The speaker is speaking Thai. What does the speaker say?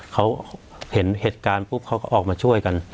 เขาเห็นเหตุการณ์ปุ๊บเขาก็ออกมาช่วยกัน